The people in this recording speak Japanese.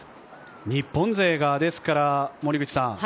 日本勢がですから森口さん